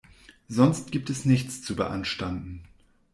Sonst gibt es nichts zu beanstanden.